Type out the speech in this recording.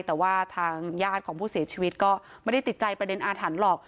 แต่ว่าทางญาติของผู้เสียชีวิตก็ไม่ได้ติดใจประเด็นอาถรรพ์หรอก